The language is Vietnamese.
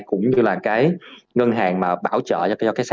cũng như là cái ngân hàng mà bảo trợ cho cái sàn